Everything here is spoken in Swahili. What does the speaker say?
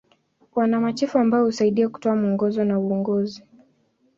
Wana machifu ambao husaidia kutoa mwongozo na uongozi.